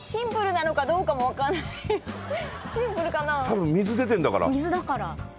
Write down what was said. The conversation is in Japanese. たぶん水出てんだから。